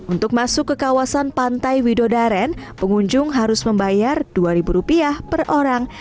untuk masuk ke kawasan pantai widodaren pengunjung harus membayar rp dua per orang